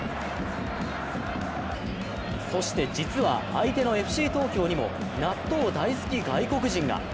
そして、実は相手のＦＣ東京にも納豆大好き外国人が。